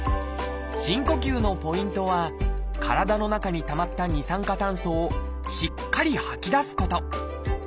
深呼吸のポイントは体の中にたまった二酸化炭素をしっかり吐き出すこと。